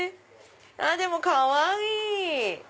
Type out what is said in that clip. でもかわいい！